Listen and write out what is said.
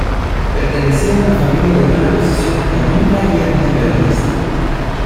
Pertenecía a una familia de buena posición económica y antiperonista.